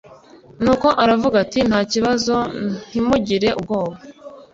Nuko aravuga ati nta kibazo Ntimugire ubwoba.